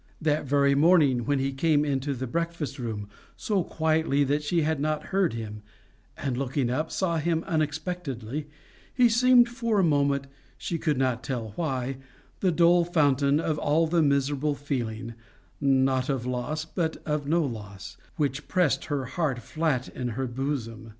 That very morning when he came into the breakfast room so quietly that she had not heard him, and, looking up, saw him unexpectedly, he seemed for a moment, she could not tell why, the dull fountain of all the miserable feeling not of loss, but of no loss, which pressed her heart flat in her bosom.